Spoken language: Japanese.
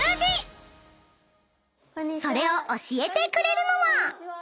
［それを教えてくれるのは］